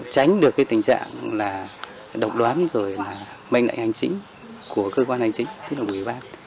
tránh được tình trạng độc đoán mệnh lệnh hành chính của cơ quan hành chính tức là ủy ban